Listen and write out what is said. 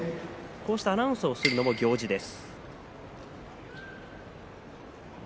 こうしてアナウンスをしてるのも行司です。